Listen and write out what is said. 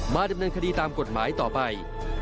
ดำเนินคดีตามกฎหมายต่อไป